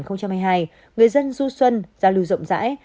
người dân du xuân giao lưu rộng rãi